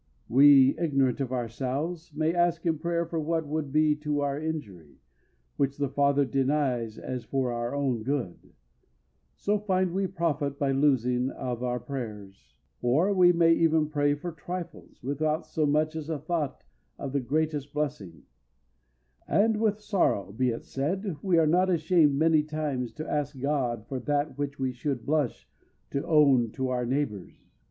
We, ignorant of ourselves, may ask in prayer for what would be to our injury, which the Father denies as for our own good; so find we profit by losing of our prayers. Or we may even pray for trifles, without so much as a thought of the greatest blessings. And, with sorrow be it said, we are not ashamed many times to ask God for that which we should blush to own to our neighbors.